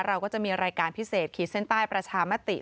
เราก็จะมีรายการพิเศษขีดเส้นใต้ประชามติ